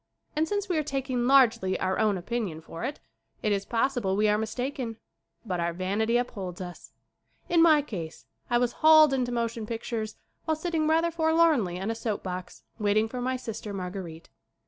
And, since we are taking largely our own opinion for it, it is possible we are mistaken. But our vanity upholds us. In my own case I was hauled into motion pictures while sitting rather forlornly on a soapbox waiting for my sister Marguerite.